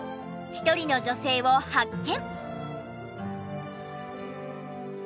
一人の女性を発見。